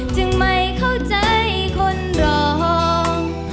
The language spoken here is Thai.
จึงไม่เข้าใจคนรอง